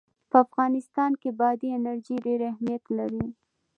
په افغانستان کې بادي انرژي ډېر اهمیت لري.